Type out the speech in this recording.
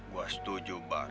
gua setuju mbak